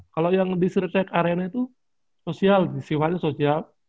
kalau yang di street tag arena itu sosial siwaannya sosial